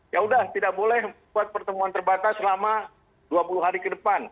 ya udah tidak boleh buat pertemuan terbatas selama dua puluh hari ke depan